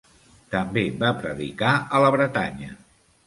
També va predicar a la Bretanya.